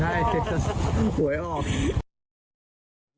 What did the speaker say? อ๋อใช่หวยออก